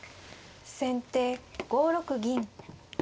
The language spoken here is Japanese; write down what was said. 先手５六銀。